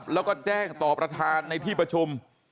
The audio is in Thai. แล้วก็แจ้งต่อประธานในที่ประชุม